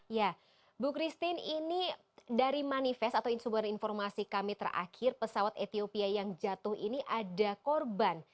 ya bu christine ini dari manifest atau insubad informasi kami terakhir pesawat ethiopia yang jatuh ini ada korban